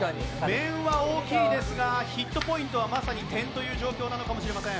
面は大きいですがヒットポイントはまさに点という状況なのかもしれません。